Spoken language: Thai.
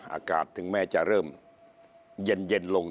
อากาศถึงแม้จะเริ่มเย็นลง